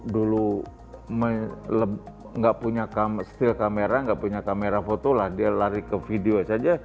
dulu nggak punya still kamera nggak punya kamera foto lah dia lari ke video saja